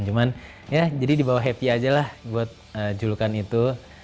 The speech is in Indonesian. cuman ya jadi dibawa happy aja lah buat julukan itu